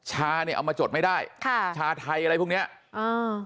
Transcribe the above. ชาเนี่ยเอามาจดไม่ได้ค่ะชาไทยอะไรพวกเนี้ยอ่า